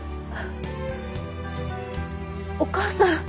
お義母さん。